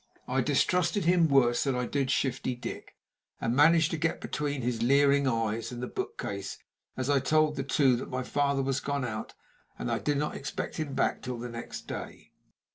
I distrusted him worse than I did Shifty Dick, and managed to get between his leering eyes and the book case, as I told the two that my father was gone out, and that I did not expect him back till the next day.